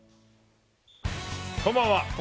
こんばんは。